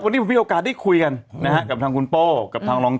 วันนี้ผมมีโอกาสได้คุยกันนะฮะกับทางคุณโป้กับทางรอง